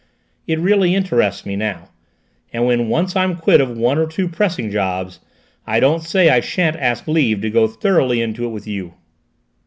It really interests me now. And when once I'm quit of one or two pressing jobs, I don't say I shan't ask leave to go thoroughly into it with you."